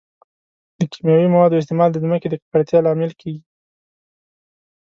د کیمیاوي موادو استعمال د ځمکې د ککړتیا لامل کیږي.